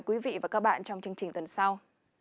quý vị và các bạn trong chương trình tuần sau